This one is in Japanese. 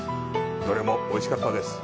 どれもおいしかったです。